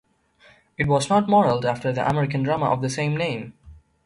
It was not modelled after the American drama of the same name.